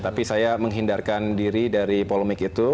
tapi saya menghindarkan diri dari polemik itu